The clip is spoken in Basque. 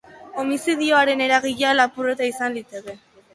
Homizidioaren eragilea lapurreta izan liteke.